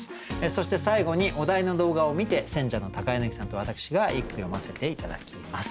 そして最後にお題の動画を観て選者の柳さんと私が一句詠ませて頂きます。